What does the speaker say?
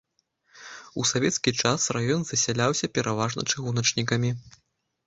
У савецкі час раён засяляўся пераважна чыгуначнікамі.